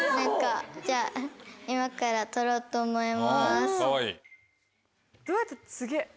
じゃ今から撮ろうと思います。